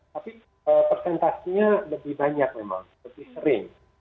tapi persentasinya lebih banyak memang lebih sering